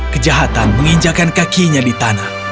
kejahatan menginjakan kakinya di tanah